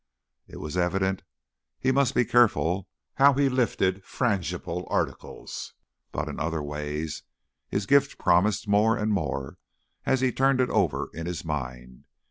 It was evident he must be careful how he lifted frangible articles, but in other ways his gift promised more and more as he turned it over in his mind.